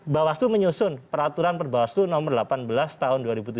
bawaslu menyusun peraturan perbawaslu nomor delapan belas tahun dua ribu tujuh belas